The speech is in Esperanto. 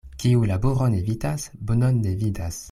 Kiu laboron evitas, bonon ne vidas.